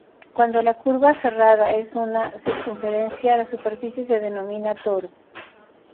Cuando la curva cerrada es una circunferencia, la superficie se denomina toro.